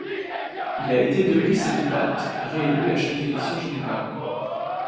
Il a été depuis cette date réélu à chaque élection générale.